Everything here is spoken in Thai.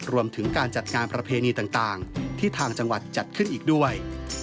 รวมถึงการจัดงานประเพณีต่างที่ทางจังหวัดจัดขึ้นอีกด้วย